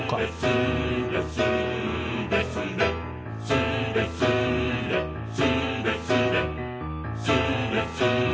「スーレスレ」「スレスレスーレスレ」「スレスレ」